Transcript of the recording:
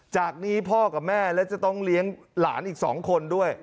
จากนี้พ่อกับแม่และจะต้องเลี้ยงหลานอีก๒คนด้วย